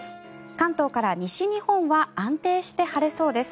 関東から西日本は安定して晴れそうです。